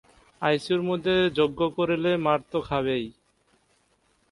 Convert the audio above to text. ICU এর মধ্যে যজ্ঞ করলে মার তো খাবেই!